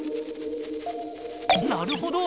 なるほど。